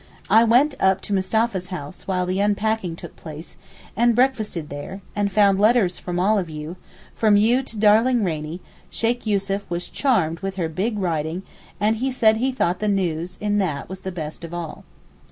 I went up to Mustapha's house while the unpacking took place and breakfasted there, and found letters from all of you, from you to darling Rainie, Sheykh Yussuf was charmed with her big writing and said he thought the news in that was the best of all.